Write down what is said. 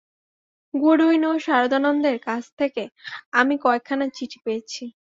Goodwin ও সারদানন্দের কাছ থেকে আমি কয়েকখানা চিঠি পেয়েছি।